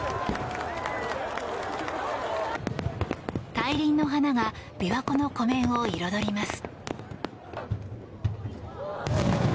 大輪の花が琵琶湖の湖面を彩ります。